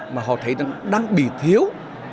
mà họ thấy đang bị thiếu